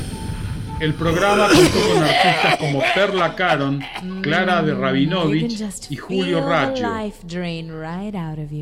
El programa contó con artistas como Perla Caron, Clara de Rabinovich y Julio Raggio.